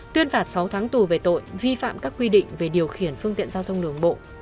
tuyên phạt sáu tháng tù về tội vi phạm các quy định về điều khiển phương tiện giao thông đường bộ